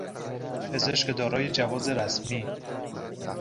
پزشک دارای جواز رسمی